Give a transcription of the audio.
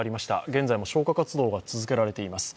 現在も消火活動が続けられています。